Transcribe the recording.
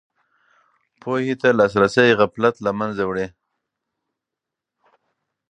پوهې ته لاسرسی غفلت له منځه وړي.